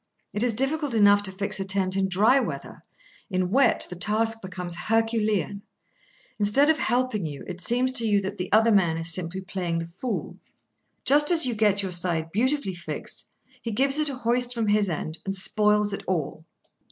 It is difficult enough to fix a tent in dry weather: in wet, the task becomes herculean. Instead of helping you, it seems to you that the other man is simply playing the fool. Just as you get your side beautifully fixed, he gives it a hoist from his end, and spoils it all.